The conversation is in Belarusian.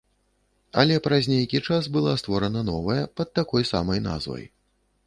Але праз нейкі час была створана новая пад такой самай назвай.